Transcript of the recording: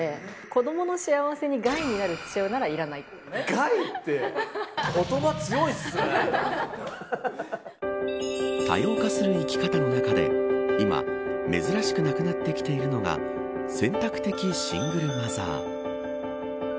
ＶＴＲヒュイゴー。多様化する生き方の中で今珍しくなくなってきているのが選択的シングルマザー。